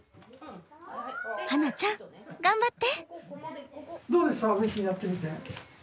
羽那ちゃん頑張って！